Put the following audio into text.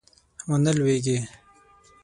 ونه لویږي